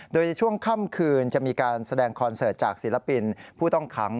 โดยในช่วงค่ำคืนจะมีการแสดงคอนเสิร์ตจากศิลปินผู้ต้องขัง